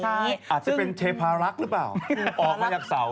อาจจะเป็นเทพารักษ์หรือเปล่าออกมาจากเสา